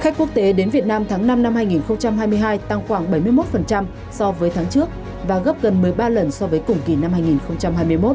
khách quốc tế đến việt nam tháng năm năm hai nghìn hai mươi hai tăng khoảng bảy mươi một so với tháng trước và gấp gần một mươi ba lần so với cùng kỳ năm hai nghìn hai mươi một